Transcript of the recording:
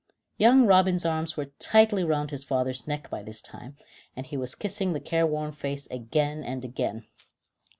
Young Robin's arms were tightly round his father's neck by this time, and he was kissing the care worn face again and again.